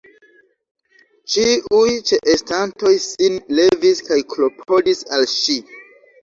Ĉiuj ĉeestantoj sin levis kaj klopodis al ŝi.